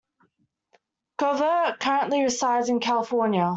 Covert currently resides in California.